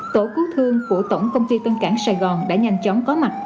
tổ cứu thương của tổng công ty tân cảng sài gòn đã nhanh chóng có mặt